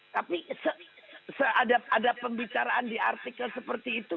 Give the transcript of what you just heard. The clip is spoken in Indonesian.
tapi seadap adap pembicaraan di artikel seperti itu